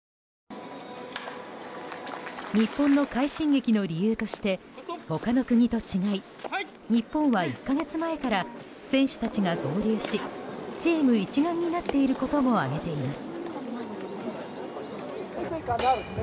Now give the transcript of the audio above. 日本の快進撃の理由として他の国と違い日本は１か月前から選手たちが合流しチーム一丸になっていることを挙げています。